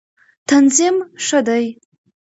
تنظیم ښه دی.